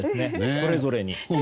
それぞれに。